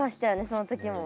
その時も。